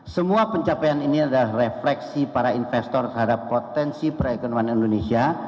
semua pencapaian ini adalah refleksi para investor terhadap potensi perekonomian indonesia